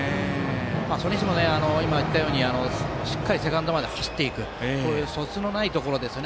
それにしてもバッターランナーがしっかりセカンドまで走っていくというそつのないところですね。